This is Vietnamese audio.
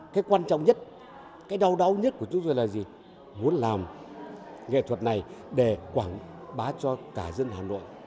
cái quan trọng nhất cái đau đáu nhất của chúng tôi là gì muốn làm nghệ thuật này để quảng bá cho cả dân hà nội